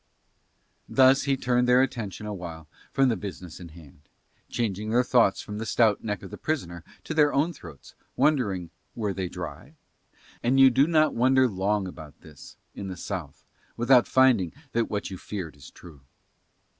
Thus he turned their attention a while from the business in hand, changing their thoughts from the stout neck of the prisoner to their own throats, wondering were they dry; and you do not wonder long about this in the south without finding that what you feared is true.